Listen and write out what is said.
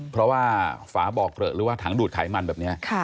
เพราะว่าฝาบ่อเกลอะหรือว่าถังดูดไขมันแบบนี้